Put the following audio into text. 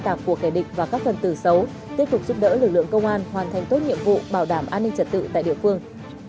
tạp của kẻ địch và các phần tử xấu tiếp tục giúp đỡ lực lượng công an hoàn thành tốt nhiệm vụ bảo đảm an ninh trật tự tại địa phương